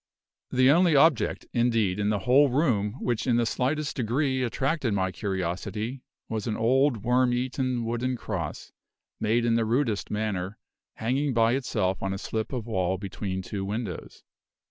The only object, indeed, in the whole room which in the slightest degree attracted my curiosity was an old worm eaten wooden cross, made in the rudest manner, hanging by itself on a slip of wall between two windows.